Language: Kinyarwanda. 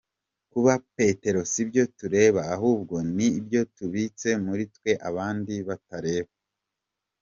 Kuba Petero si byo tureba ahubwo ni byo tubitse muri twe abandi batareba.